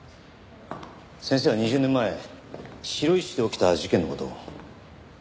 先生は２０年前白石で起きた事件の事を。